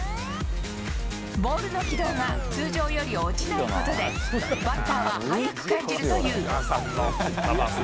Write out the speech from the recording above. ボールの軌道が通常より落ちないことで、バッターは速く感じるという。